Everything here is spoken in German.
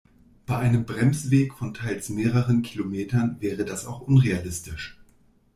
Bei einem Bremsweg von teils mehreren Kilometern wäre das auch unrealistisch.